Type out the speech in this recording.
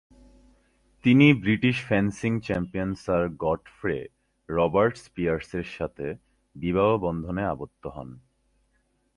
তিনি British fencing champion sir Godfrey Roberts পিয়ার্সের সাথে বিবাহ বন্ধনে আবদ্ধ হন।